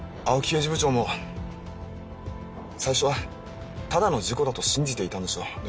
青木刑事部長も最初はただの事故だと信じていたんでしょう。